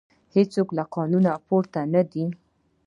هیڅوک له قانون پورته نه دی